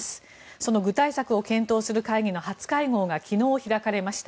その具体策を検討する会議の初会合が昨日開かれました。